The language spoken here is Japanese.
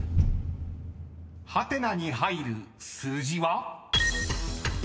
［ハテナに入る数字は？］